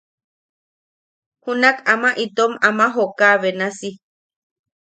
Junak ama itom ama jooka benasi.